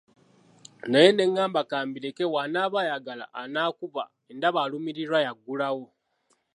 Naye ne ngamba ka mbireke bw'anaaba ayagala anaakuba ndaba alumirirwa y'aggulawo.